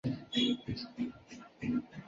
家臣们继续向纲村提出隐居的要求。